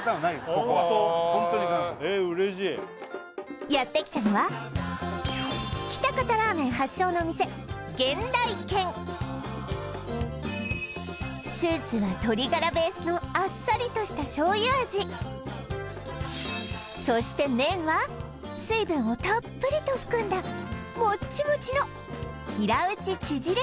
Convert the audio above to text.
ここはホントに元祖ですへえ嬉しいやってきたのは源来軒スープは鶏ガラベースのあっさりとした醤油味そして麺は水分をたっぷりと含んだモッチモチの平打ち縮れ